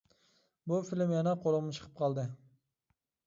بۇ فىلىم يەنە قولۇمغا چىقىپ قالدى.